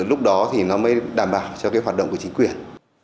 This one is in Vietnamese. lúc đó thì nó mới đảm bảo cho cái hoạt động của chính quyền